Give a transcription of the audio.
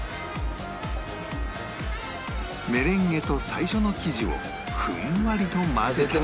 メレンゲと最初の生地をふんわりと混ぜたら